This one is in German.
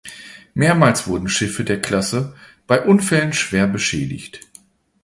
Mehrmals wurden Schiffe der Klasse bei Unfällen schwer beschädigt.